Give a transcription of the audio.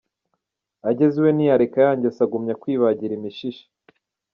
Ageze iwe ntiyareka ya ngeso agumya kwibagira imishishe.